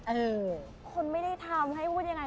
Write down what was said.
เออคนไม่ได้ทำให้พูดยังไง